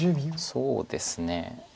そうですね。